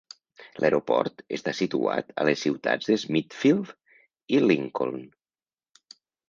L'aeroport està situat a les ciutats de Smithfield i Lincoln.